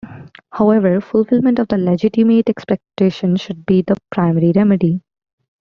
However, fulfilment of the legitimate expectation should be the primary remedy.